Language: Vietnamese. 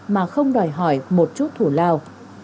mà không đòi hỏi một chút thủ lao